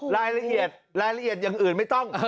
รายละเอียดรายละเอียดอย่างอื่นไม่ต้อง